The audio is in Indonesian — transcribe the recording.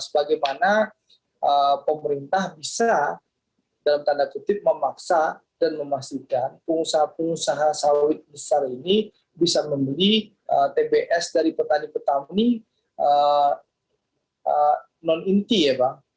bagaimana pemerintah bisa dalam tanda kutip memaksa dan memastikan pengusaha pengusaha sawit besar ini bisa membeli tbs dari petani petani non inti ya pak